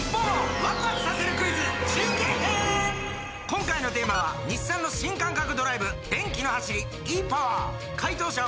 今回のテーマは日産の新感覚ドライブ電気の走りｅ−ＰＯＷＥＲ解答者を呼んでみましょう神田さん！